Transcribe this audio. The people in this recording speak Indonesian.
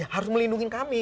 harus melindungi kami